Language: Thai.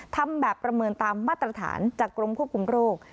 ทำแบบประเมินตามมาตรฐานจากกรมควบคุมโรค